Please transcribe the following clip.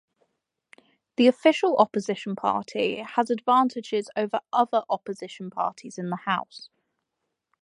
The Official Opposition party has advantages over other opposition parties in the House.